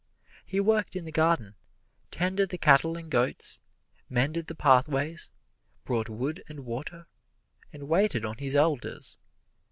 He worked in the garden, tended the cattle and goats, mended the pathways, brought wood and water, and waited on his elders.